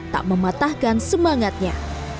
tak mematahkan semangatnya